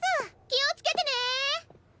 気をつけてね！